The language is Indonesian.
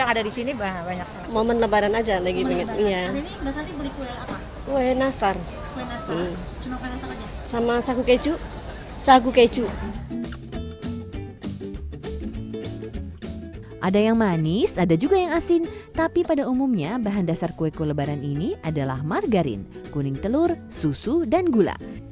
ada yang manis ada juga yang asin tapi pada umumnya bahan dasar kue kulebaran ini adalah margarin kuning telur susu dan gula